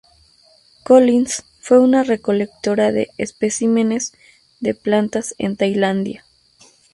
Collins fue una recolectora de especímenes de plantas en Tailandia.